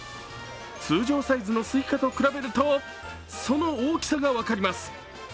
通常サイズのスイカと比べると、その大きさが分かります。